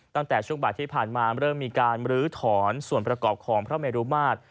ตั้งแต่ช่วงบ่ายที่ผ่านมาเริ่มมีการลื้อถอนส่วนประกอบของพระเมรุมาตร